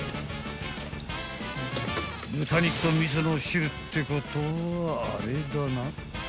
［豚肉と味噌の汁ってことはあれだな？］